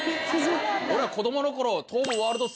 俺が子供の頃。